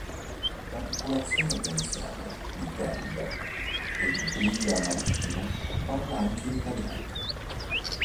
La popolazione più anziana di Tenda e Briga Marittima parla anche in italiano.